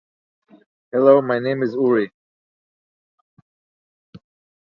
His current research is related to land degradation and land rehabilitation.